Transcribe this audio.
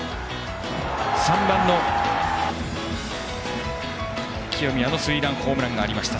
３番、清宮のスリーランホームランがありました。